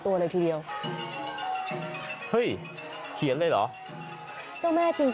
อ๋ออันนี้ก็อ่างน้ำมนต์